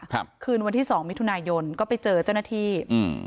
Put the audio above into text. คืนวันที่สองมิถุนายนก็ไปเจอเจ้าหน้าที่อืม